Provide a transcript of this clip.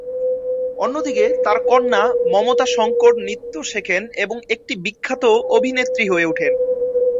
অন্যদিকে, তার কন্যা, মমতা শঙ্কর নৃত্য শেখেন এবং একটি বিখ্যাত অভিনেত্রী হয়ে ওঠেন।